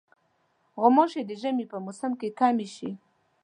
غوماشې د ژمي په موسم کې کمې شي.